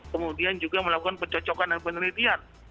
kemudian juga melakukan pencocokan dan penelitian